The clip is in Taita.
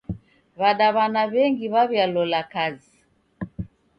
W'adaw'ana w'engi w'aw'ialola kazi.